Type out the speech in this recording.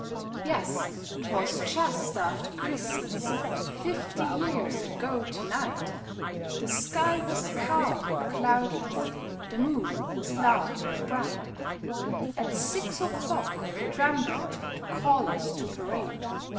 Yes, 'twas just after Christmas, fifty years ago to night; The sky was calm and cloudless, the moon was large and bright ; At six o'clock the drum beat to call us to parade.